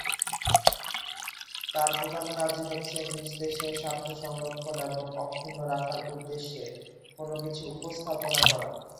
তার প্রধান কাজই হচ্ছে নিজ দেশের স্বার্থ সংরক্ষণ এবং অক্ষুণ্ন রাখার উদ্দেশ্যে কোন কিছু উপস্থাপনা করা।